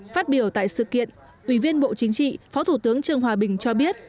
phát biểu tại sự kiện ủy viên bộ chính trị phó thủ tướng trương hòa bình cho biết